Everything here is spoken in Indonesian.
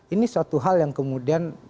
ini suatu hal yang kemudian